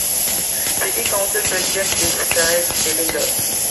City Council President Is Craig Dellinger.